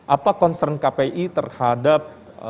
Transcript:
apa concern kpi terhadap